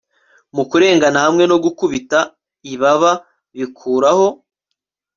Mu kurengana hamwe no gukubita ibaba bikuraho